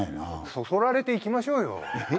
そそられていきましょうよ。